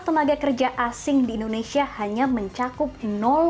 faktanya ini salah